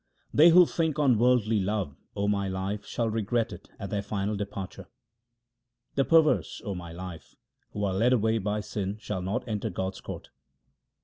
They who think on worldly love, O my life, shall regret it at their final departure. The perverse, O my life, who are led away by sin shall not enter God's court.